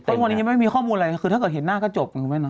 เพราะวันนี้ยังไม่มีข้อมูลอะไรคือถ้าเกิดเห็นหน้าก็จบมึงไหมนะ